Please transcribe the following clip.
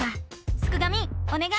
すくがミおねがい！